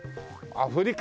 アフリカ。